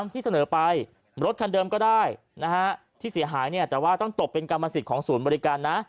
ที่เสนอไปรถคันเดิมก็ได้ที่เสียหายแต่ว่าต้องตกเป็นกรรมสิทธิ์ของศูนย์บริการนะ